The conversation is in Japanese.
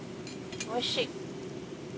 おいしい。